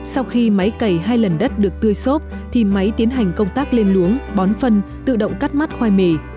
sau khi máy cầy hai lần đất được tươi xốp thì máy tiến hành công tác lên luống bón phân tự động cắt mắt khoai mì